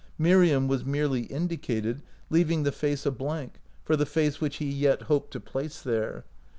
Miriam was merely indicated, leaving the face a blank, for the face which he yet hoped to place there.